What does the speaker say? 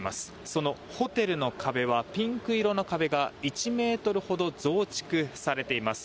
そのホテルの壁はピンク色の壁が１ｍほど増築されています。